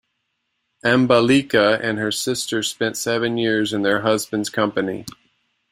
Ambalika and her sister spent seven years in their husband's company.